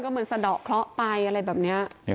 มันก็เหมือนสะดอกเค้าไปอะไรแบบนี้